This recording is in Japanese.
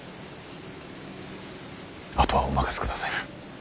あとはお任せください。